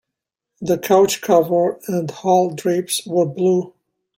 The couch cover and hall drapes were blue.